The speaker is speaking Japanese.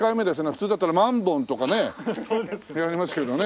普通だったら万本とかねやりますけどね。